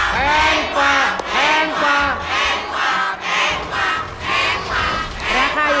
แพงกว่าแพงกว่าแพงกว่า